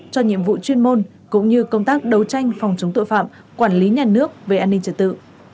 cho nhiệm vụ chuyên môn cũng như công tác đấu tranh phòng chống tội phạm quản lý nhà nước về an ninh trật tự